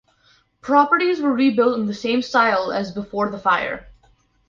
Properties were rebuilt in the same style as before the fire.